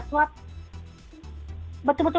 betul betul melatih diri dan lakukan untuk